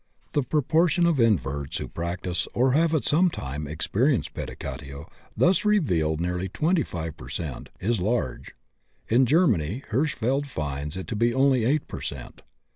The proportion of inverts who practise or have at some time experienced pedicatio thus revealed (nearly 25 per cent.) is large; in Germany Hirschfeld finds it to be only 8 per cent.